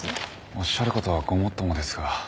おっしゃることはごもっともですが。